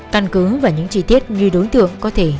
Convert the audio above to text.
căn cứ và những chi tiết như đối tượng có thể